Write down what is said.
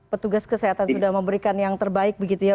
petugas kesehatan sudah memberikan yang terbaik begitu ya